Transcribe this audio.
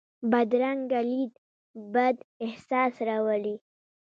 بدرنګه لید بد احساس راولي